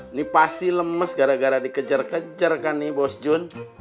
ini pasti lemes gara gara dikejar kejar kan nih bos jun